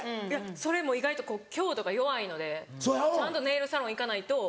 それも意外と強度が弱いのでちゃんとネイルサロン行かないと。